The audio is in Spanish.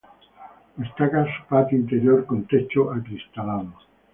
Destaca su patio interior con techo acristalado.